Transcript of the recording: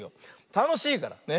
たのしいから。ね。